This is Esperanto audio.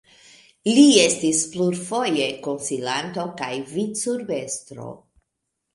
Li estis plurfoje konsilanto, kaj vicurbestro.